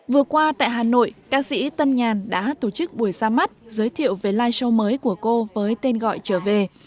vừa qua tại hà nội ca sĩ tân nhàn đã tổ chức buổi ra mắt giới thiệu về live show mới của cô với tên gọi trở về